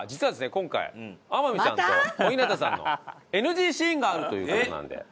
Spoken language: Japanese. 今回天海さんと小日向さんのＮＧシーンがあるという事なんで。